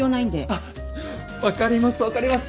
あっ分かります分かります。